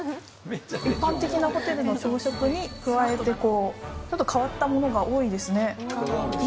一般的なホテルの朝食に加えて、ちょっと変わったものが多いですね。